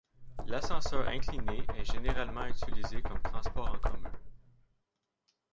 L'ascenseur incliné est généralement utilisé comme transport en commun.